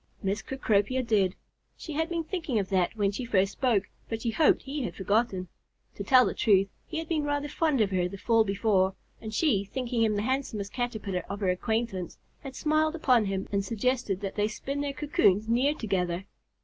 Miss Cecropia did. She had been thinking of that when she first spoke, but she hoped he had forgotten. To tell the truth, he had been rather fond of her the fall before, and she, thinking him the handsomest Caterpillar of her acquaintance, had smiled upon him and suggested that they spin their cocoons near together.